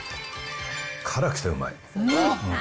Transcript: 辛くてうまい。